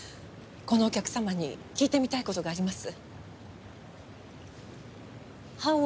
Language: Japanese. このお客様に聞いてみたい事があります。